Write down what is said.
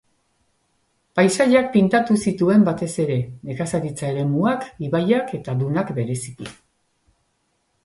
Paisaiak pintatu zituen batez ere, nekazaritza-eremuak, ibaiak eta dunak bereziki.